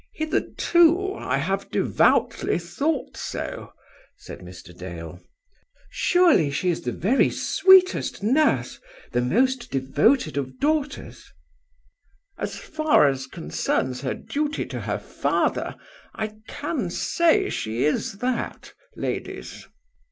"Hitherto I have devoutly thought so," said Mr. Dale. "Surely she is the very sweetest nurse, the most devoted of daughters." "As far as concerns her duty to her father, I can say she is that, ladies."